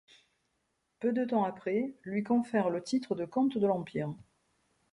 Peu de temps après, lui confère le titre de comte de l'Empire.